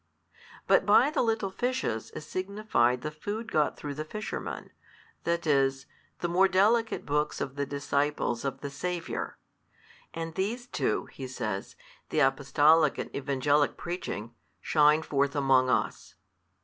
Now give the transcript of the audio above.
But by the little fishes is signified the food got through the fishermen, that is, the more delicate books of the disciples of the Saviour; and these two (he says), the apostolic and Evangelic preaching, shine forth among us.